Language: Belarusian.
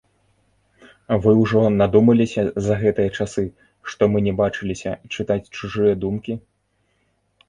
Вы ўжо надумаліся за гэтыя часы, што мы не бачыліся, чытаць чужыя думкі?